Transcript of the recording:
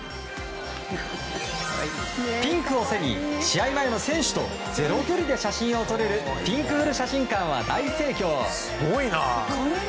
ピンクを背に試合前の選手とゼロ距離で写真を撮れるピンクフル写真館は大盛況。